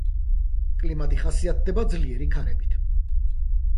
კლიმატი ხასიათდება ძლიერი ქარებით.